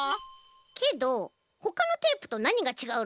けどほかのテープとなにがちがうの？